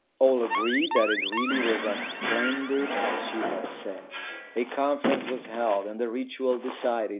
All agreed that it really was as splendid as she had said. A conference was held, and the ritual decided.